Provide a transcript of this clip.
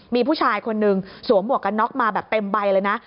มีผู้ชายคนนึงสวมหมวกกันน็อกมาแบบเต็มใบเลยนะ